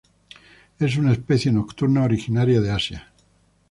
Es una especie nocturna, originaria de Asia.